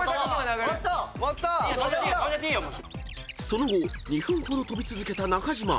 ［その後２分ほど跳び続けた中島］